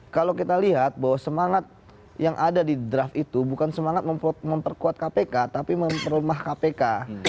kalau kita lihat bahwa semangat yang ada di draft itu bukan semangat memperkuat kpk tapi memperlemah kpk